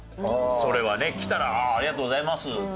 それはね。来たら「ありがとうございます」って言ってね。